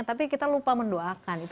tapi kita lupa mendoakan